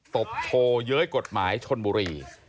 บโชว์เย้ยกฎหมายชนบุรี